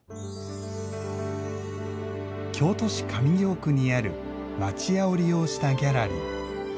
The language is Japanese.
京都市上京区にある町屋を利用したギャラリー。